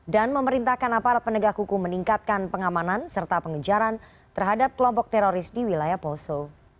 dan memerintahkan aparat penegak hukum meningkatkan pengamanan serta pengejaran terhadap kelompok teroris di wilayah poso